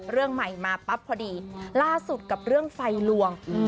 เรื่องใหม่มาปั๊บพอดีล่าสุดกับเรื่องไฟลวง